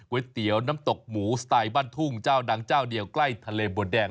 เตี๋ยวน้ำตกหมูสไตล์บ้านทุ่งเจ้าดังเจ้าเดียวใกล้ทะเลบัวแดง